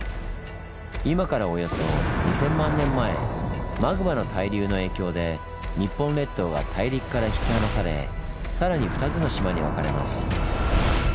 今からおよそ２，０００万年前マグマの対流の影響で日本列島が大陸から引き離されさらに２つの島に分かれます。